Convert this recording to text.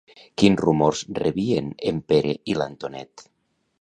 Quins rumors rebien en Pere i l'Antonet?